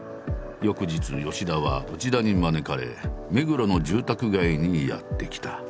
翌日田は内田に招かれ目黒の住宅街にやって来た。